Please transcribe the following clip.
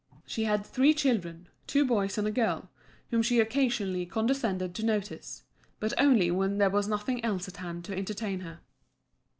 She had three children, two boys and a girl, whom she occasionally condescended to notice; but only when there was nothing else at hand to entertain her.